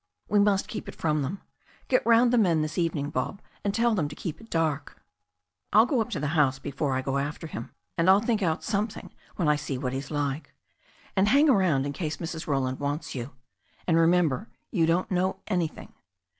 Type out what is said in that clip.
"We must keep it from them. Get round the men this evening. Bob, and tell them to keep it dark. I'll go up to the house before I go after him, and I'll think out some thing when I see what he's like. And hang around, in case Mrs. Roland wants you. And remember, you don't know an3rthing."